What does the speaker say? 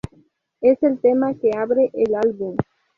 Es el tema que abre el álbum.